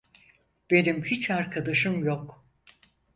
Benim hiç arkadaşım yok.